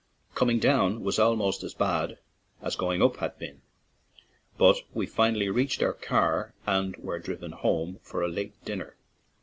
Coming down was almost as bad as going up had been, but we finally reached our 5i ON AN IRISH JAUNTING CAR car and were driven home for a late dinner.